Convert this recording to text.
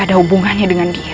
ada hubungannya dengan dia